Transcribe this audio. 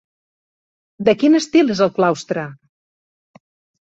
De quin estil és el claustre?